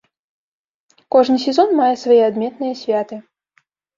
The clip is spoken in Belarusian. Кожны сезон мае свае адметныя святы.